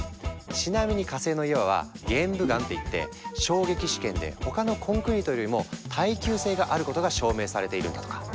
ちなみに火星の岩は「玄武岩」っていって衝撃試験で他のコンクリートよりも耐久性があることが証明されているんだとか。